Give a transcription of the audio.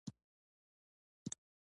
ژبه د خیال د څرګندولو وسیله ده.